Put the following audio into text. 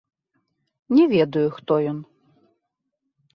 Не ведаю, хто ён.